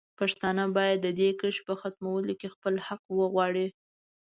پښتانه باید د دې کرښې په ختمولو کې خپل حق وغواړي.